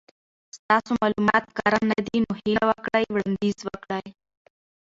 ستاسو مالومات کره ندي نو هیله وکړئ وړاندیز وکړئ